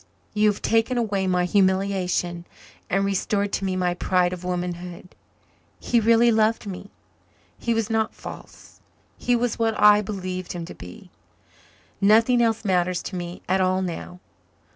You have taken away my humiliation and restored to me my pride of womanhood. He really loved me he was not false he was what I believed him to be. Nothing else matters to me at all now.